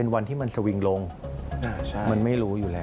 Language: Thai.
วันที่มันสวิงลงมันไม่รู้อยู่แล้ว